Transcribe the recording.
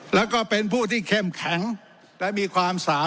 แล้วก็เป็นผู้ที่เข้มแข็งและมีความสามารถ